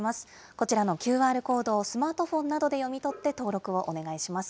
こちらのＱＲコードをスマートフォンなどで読み取って登録をお願いします。